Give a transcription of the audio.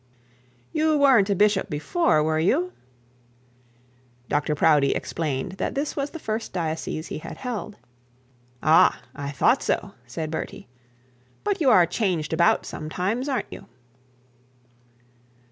'You weren't a bishop before, were you?' Dr Proudie explained that this was the first diocese he had held. 'Ah I thought so,' said Bertie; 'but you are changed about sometimes, a'nt you?'